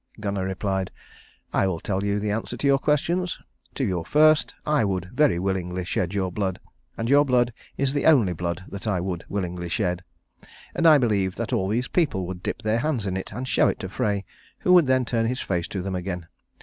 Gunnar replied, "I will tell you the answer to your questions. To your first: I would very willingly shed your blood, and your blood is the only blood that I would willingly shed. And I believe that all these people would dip their hands in it and show it to Frey, who would then turn his face to them again.